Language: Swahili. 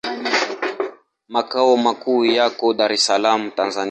Makao makuu yako Dar es Salaam, Tanzania.